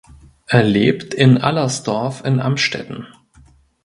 Er lebt in Allersdorf in Amstetten.